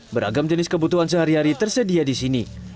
beragam jenis kebutuhan sehari hari tersedia di sini